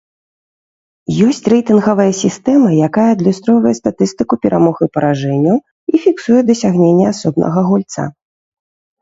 Ёсць рэйтынгавая сістэма, якая адлюстроўвае статыстыку перамог і паражэнняў і фіксуе дасягнення асобнага гульца.